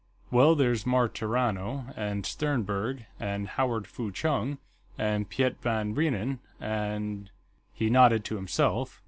"Well, there's Martirano, and Sternberg, and Howard Fu Chung, and Piet van Reenen, and...." He nodded to himself.